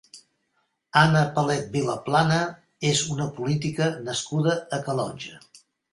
Anna Palet Vilaplana és una política nascuda a Calonge.